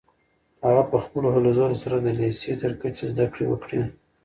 هغه په خپلو هلو ځلو سره د لیسې تر کچې زده کړې وکړې.